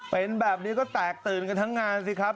เป็นแบบนี้ก็แตกตื่นกันทั้งงานสิครับ